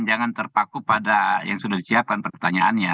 jangan terpaku pada yang sudah disiapkan pertanyaannya